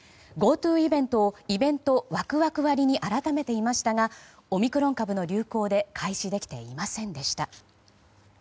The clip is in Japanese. ＧｏＴｏイベントをイベントワクワク割に改めていましたがオミクロン株の流行で開始できていませんでした。